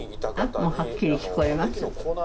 もうはっきり聞こえます。